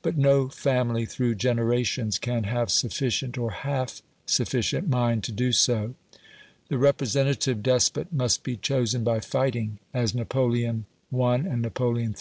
But no family through generations can have sufficient, or half sufficient, mind to do so. The representative despot must be chosen by fighting, as Napoleon I. and Napoleon III.